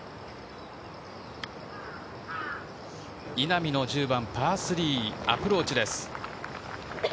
稲見の１０番パー３、アプローチです。